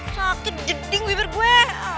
sakit jeding bibir gue